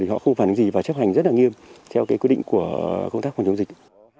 họ không phản ánh gì và chấp hành rất nghiêm theo quy định của công tác phòng chống dịch